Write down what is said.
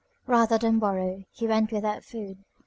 Rather than borrow, he went without food.